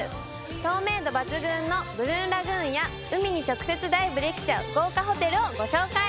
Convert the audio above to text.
透明度抜群のブルーラグーンや海に直接ダイブできちゃう豪華ホテルをご紹介